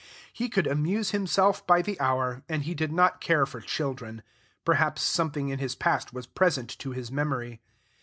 He could amuse himself by the hour, and he did not care for children; perhaps something in his past was present to his memory.